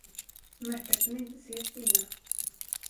Märta kunde inte se Stina.